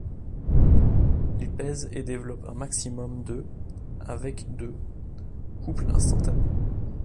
Il pèse et développe un maximum de avec de couple instantané.